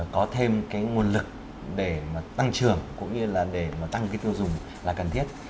có thêm nguồn lực để tăng trưởng cũng như là để tăng tiêu dùng là cần thiết